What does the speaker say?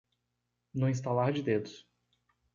Num estalar de dedos